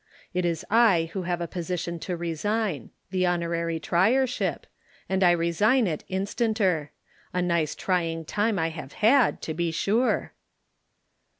It is I who have a position to resign the Honorary Triership and I resign it instanter. A nice trying time I have had, to be sure!"